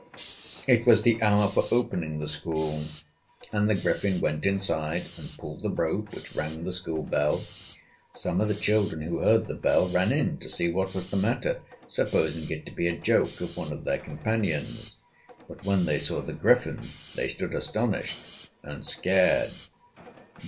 It was the hour for opening the school, and the Griffin went inside and pulled the rope which rang the school bell. Some of the children who heard the bell ran in to see what was the matter, supposing it to be a joke of one of their companions; but when they saw the Griffin they stood astonished, and scared.